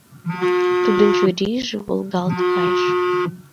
— Тудын чурийже волгалт кайыш.